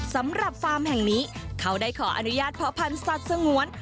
สำหรับฟาร์มแห่งนี้เขาได้ขออนุญาตเพาะพันธุ์สัตว์สงวน